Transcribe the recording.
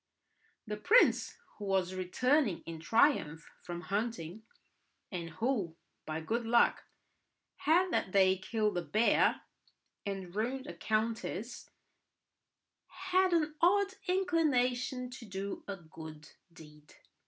The prince, who was returning in triumph from hunting, and who, by good luck, had that day killed a bear and ruined a countess, had an odd inclination to do a good deed.